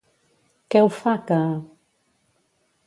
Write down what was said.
Què ho fa que...?